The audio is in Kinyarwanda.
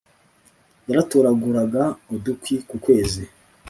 yaratoraguraga udukwi ku kwezi.